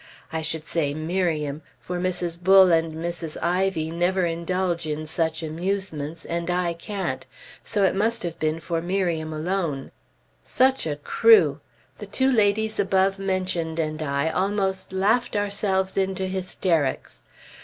I should say "Miriam"; for Mrs. Bull and Mrs. Ivy never indulge in such amusements, and I can't; so it must have been for Miriam alone. Such a crew! The two ladies above mentioned and I almost laughed ourselves into hysterics.